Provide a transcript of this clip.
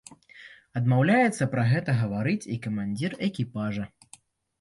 Адмаўляецца пра гэта гаварыць і камандзір экіпажа.